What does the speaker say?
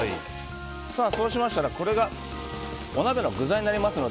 そうしましたら、これがお鍋の具材になりますので。